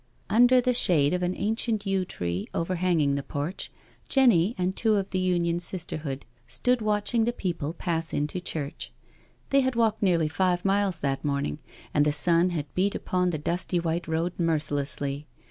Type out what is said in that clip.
Under the shade of an ancient yew tree overhanging the porch, Jenny and two of the Union Sisterhood stood watching the people pass into church. They had walked nearly five miles that morning, and the sun had beat upon the dusty white road mercilessly.